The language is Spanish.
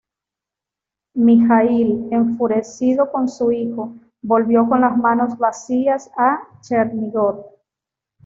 Mijaíl, enfurecido con su hijo, volvió con las manos vacías a Chernígov.